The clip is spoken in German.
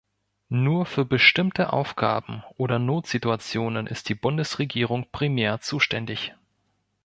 Nur für bestimmte Aufgaben oder Notsituationen ist die Bundesregierung primär zuständig.